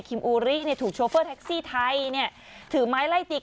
อูริเนี่ยถูกโชเฟอร์แท็กซี่ไทยเนี่ยถือไม้ไล่ตีก